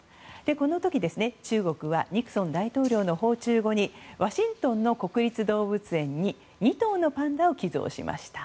この時、中国はニクソン大統領の訪中後にワシントンの国立動物園に２頭のパンダを寄贈しました。